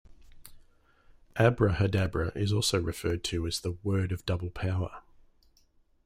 "Abrahadabra" is also referred to as the "Word of Double Power".